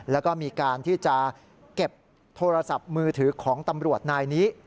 แล้วก็มีการที่จะเก็บโทรศัพท์มือถือของตำรวจนายนี้